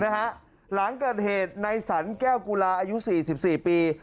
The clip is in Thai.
หลังเกิดเหตุในสรรแก้วกุลาอายุ๔๔ปี